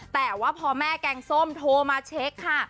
แต่ว่าพอแม่แกงส้มโทรมาเช็คค่ะ